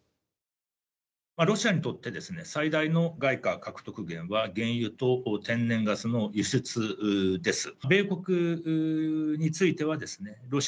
ロシアにとって最大の外貨獲得源は、原油と天然ガスの輸出です。